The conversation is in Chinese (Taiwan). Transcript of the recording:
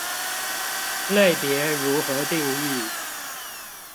類別如何定義